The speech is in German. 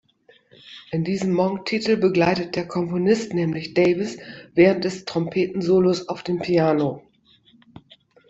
In diesem Monk-Titel begleitet der Komponist nämlich Davis während des Trompeten-Solos auf dem Piano.